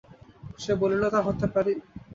সে বলিল, তা হতে পারি।